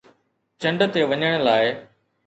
چنڊ تي وڃڻ لاءِ